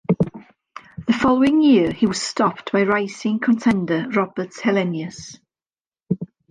The following year he was stopped by rising contender Robert Helenius.